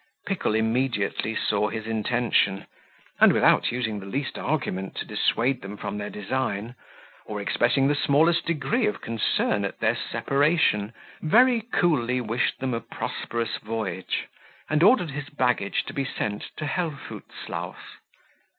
Pickle immediately saw his intention, and, without using the least argument to dissuade them from their design, or expressing the smallest degree of concern at their separation, very coolly wished them a prosperous voyage, and ordered his baggage to be sent to Helvoetsluys.